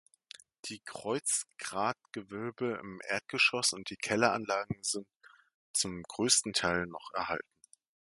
Die Kreuzgratgewölbe im Erdgeschoss und die Kelleranlagen sind zum größten Teil noch erhalten.